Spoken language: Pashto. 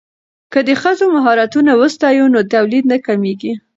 که د ښځو مهارتونه وستایو نو تولید نه کمیږي.